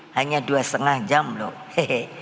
hanya dua setengah jam loh